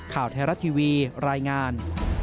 ข่าวไทยรัฐทีวีรายงาน